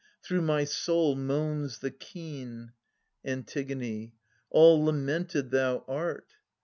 Through my soul moans the keen ! Ant. All lamented thou art